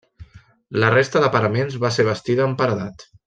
La resta de paraments va ser bastida amb paredat.